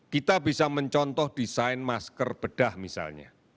kita bisa mencontoh desain masker bedah misalnya